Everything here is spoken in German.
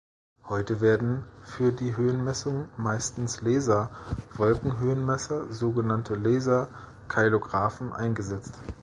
Heute werden für die Höhenmessung meistens Laser-Wolkenhöhenmesser, sogenannte Laser-Ceilographen, eingesetzt.